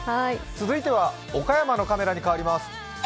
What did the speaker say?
続いては岡山のカメラに変わります。